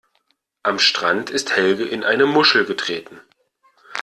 Am Strand ist Helge in eine Muschel getreten.